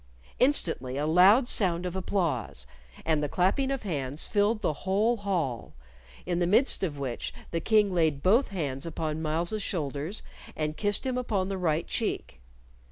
Instantly a loud sound of applause and the clapping of hands filled the whole hall, in the midst of which the King laid both hands upon Myles's shoulders and kissed him upon the right cheek.